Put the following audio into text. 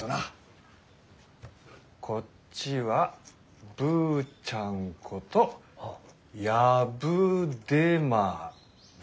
こっちはブーちゃんことヤブデマリ。